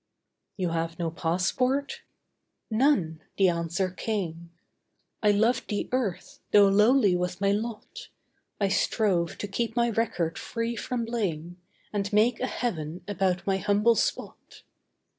'You have no passport?' 'None,' the answer came. 'I loved the earth, tho' lowly was my lot. I strove to keep my record free from blame, And make a heaven about my humble spot.